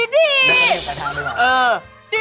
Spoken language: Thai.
ดี